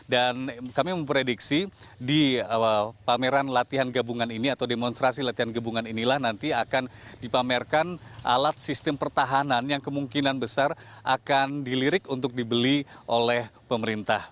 dan kami memprediksi di pameran latihan gabungan ini atau demonstrasi latihan gabungan inilah nanti akan dipamerkan alat sistem pertahanan yang kemungkinan besar akan dilirik untuk dibeli oleh pemerintah